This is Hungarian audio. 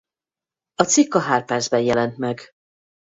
A cikk a Harper’s-ben jelent meg.